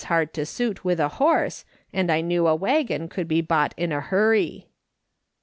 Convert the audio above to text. hard to suit with a horse, and I knew a waggon could be bought in a hurry."